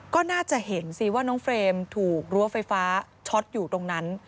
ก็น่าจะเห็นสิว่าน้องเฟรมถูกรั้วไฟฟ้าช็อตอยู่ตรงนั้น